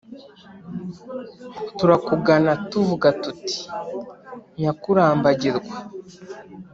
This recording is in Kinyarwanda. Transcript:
turakugana tuvuga tuti :« nyakurambagirwa »,